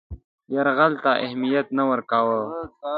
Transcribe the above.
یرغل ته اهمیت نه ورکاوه.